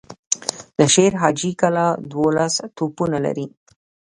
د شير حاجي کلا دولس توپونه لري.